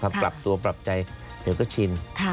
ถ้าปรับตัวปรับใจเดี๋ยวก็ชิน